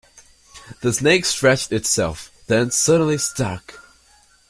The snake stretched itself, then suddenly struck.